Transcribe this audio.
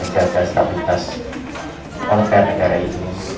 dan stabilitas monokil negara ini